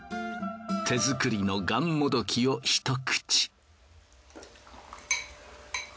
手作りのがんもどきをひと口。